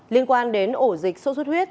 liên quan đến ổ dịch sốt xuất huyết